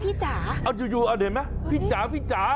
พี่จ๋าพี่จ๋าพี่จ๋าพี่จ๋าพี่จ๋าพี่จ๋าพี่จ๋า